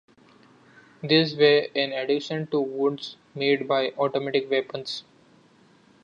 These were in addition to wounds made by automatic weapons.